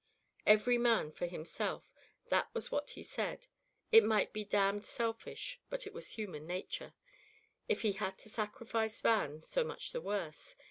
Every man for himself, that was what he said. It might be damned selfish, but it was human nature; if he had to sacrifice Van, so much the worse.